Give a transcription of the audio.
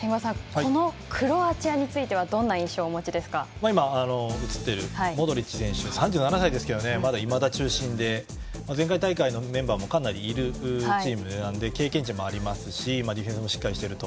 このクロアチアについては今映っているモドリッチ選手３７歳ですけどいまだ中心で前回大会のメンバーもかなりいるチームなので経験値もありますしディフェンスもしっかりしてると。